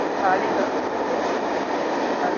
Alabaina, nahikoa al da lege hori?